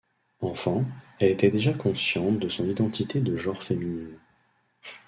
Enfant, elle était déjà consciente de son identité de genre féminine.